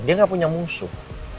dia gak punya musuh